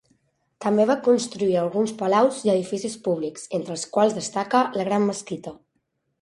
També va construir alguns palaus i edificis públics, entre els quals destaca la gran mesquita.